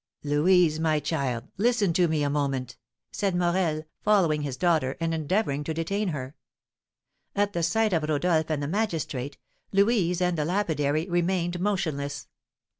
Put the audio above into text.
"Louise, my child, listen to me a moment," said Morel, following his daughter, and endeavouring to detain her. At the sight of Rodolph and the magistrate, Louise and the lapidary remained motionless.